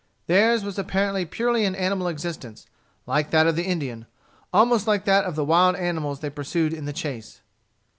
Theirs was apparently purely an animal existence, like that of the Indian, almost like that of the wild animals they pursued in the chase.